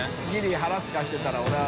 腹すかせてたら俺は。